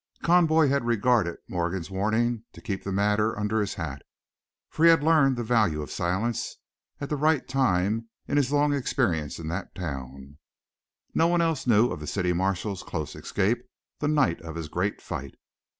Conboy had regarded Morgan's warning to keep that matter under his hat, for he had learned the value of silence at the right time in his long experience in that town. Nobody else knew of the city marshal's close escape the night of his great fight.